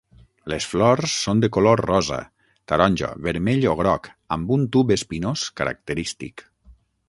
Les flors són de color rosa, taronja, vermell o groc amb un tub espinós característic.